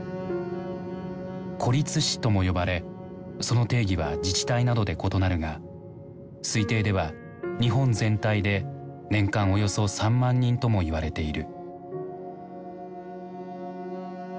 「孤立死」とも呼ばれその定義は自治体などで異なるが推定では日本全体で年間およそ３万人ともいわれている。